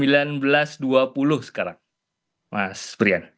buka puasa itu di sembilan belas dua puluh sekarang mas priyan